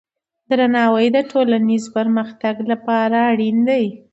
درناوی د ټولنیز پرمختګ لپاره اړین دی.